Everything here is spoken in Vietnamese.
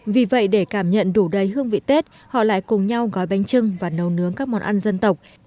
vì vậy để cảm nhận đủ đầy hương vị tết họ lại cùng nhau gói bánh trưng và nấu nướng các món ăn dân tộc